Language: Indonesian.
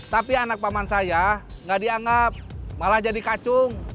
tapi anak paman saya nggak dianggap malah jadi kacung